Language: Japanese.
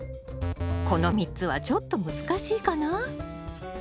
この３つはちょっと難しいかな。